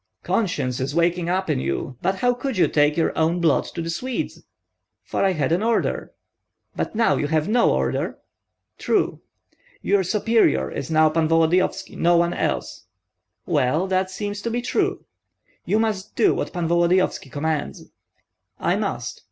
"Conscience is waking up in you. But how could you take your own blood to the Swedes?" "For I had an order." "But now you have no order?" "True." "Your superior is now Pan Volodyovski, no one else." "Well, that seems to be true." "You must do what Pan Volodyovski commands." "I must."